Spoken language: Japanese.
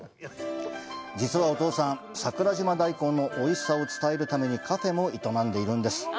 実はお父さん桜島大根のおいしさを伝えるためにカフェも営んでいるんです。